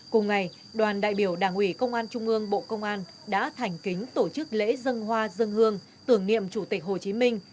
cùng ngày đoàn đại biểu đảng ủy công an trung ương bộ công an đã thành kính tổ chức lễ dân hoa dân hương tưởng niệm chủ tịch hồ chí minh